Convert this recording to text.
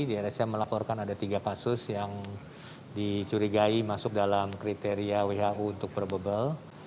di rsa melaporkan ada tiga kasus yang dicurigai masuk dalam kriteria who untuk probable